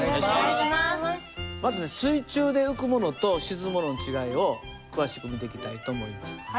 まずね水中で浮く物と沈む物の違いを詳しく見ていきたいと思います。